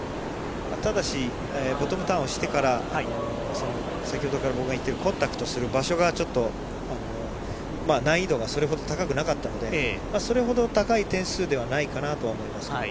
ただしボトムターンをしてから、先ほどから僕が言ってるコンタクトする場所がちょっと難易度がそれほど高くなかったので、それほど高い点数ではないかなとは思いますけど。